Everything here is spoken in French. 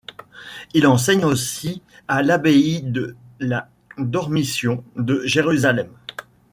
Il enseigne aussi à l'abbaye de la Dormition de Jérusalem.